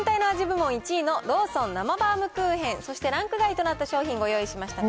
部門１位のローソン、生バウムクーヘン、そしてランク外となった商品、ご用意しました